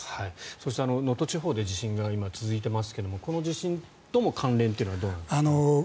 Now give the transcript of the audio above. そして、能登地方で今、地震が続いていますがこの地震との関連というのはどうなんですか。